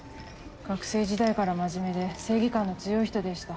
学生時代から真面目で正義感の強い人でした。